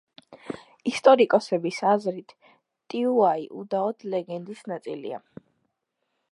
ისტორიკოსების აზრით, ტიუაი უდაოდ ლეგენდის ნაწილია.